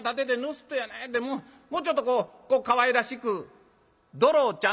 もうちょっとこうかわいらしく『どろちゃん』」。